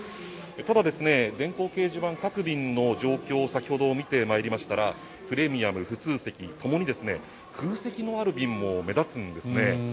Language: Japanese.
ただ、電光掲示板各便の状況を先ほど見てまいりましたらプレミアム、普通席ともに空席のある便も目立つんですね。